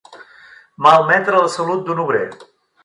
Malmetre la salut d'un obrer.